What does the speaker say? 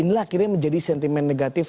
inilah akhirnya menjadi sentimen negatif